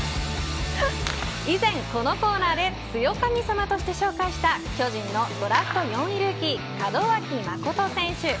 以前このコーナーで強神様として紹介した巨人のドラフト４位ルーキー門脇誠選手。